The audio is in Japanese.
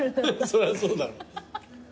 そりゃそうだろ。